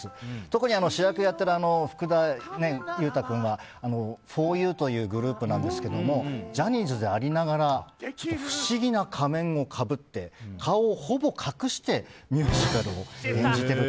特に主役をやっている福田悠太君はふぉゆというグループなんですけれどもジャニーズでありながら不思議な仮面をかぶって顔をほぼ隠してミュージカルを演じている。